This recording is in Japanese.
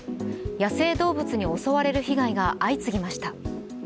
野生動物に襲われる被害が相次ぎました。